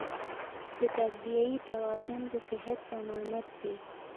د تغذیې توازن د صحت ضمانت دی.